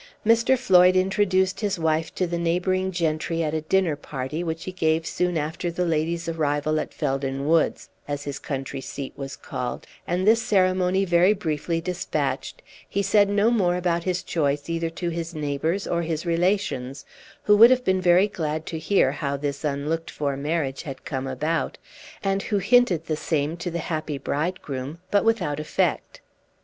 Mr. Floyd introduced his wife to the neighboring gentry at a dinner party, which he gave soon after the lady's arrival at Felden Woods, as his country seat was called; and this ceremony very briefly despatched, he said no more about his choice either to his neighbors or his relations, who would have been very glad to hear how this unlooked for marriage had come about, and who hinted the same to the happy bridegroom, but without effect.